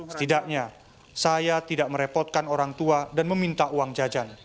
setidaknya saya tidak merepotkan orang tua dan meminta uang jajan